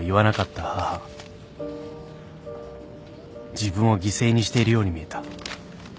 自分を犠牲にしているように見えた